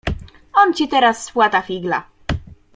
"On ci teraz spłata figla."